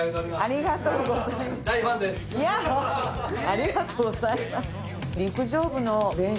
ありがとうございます。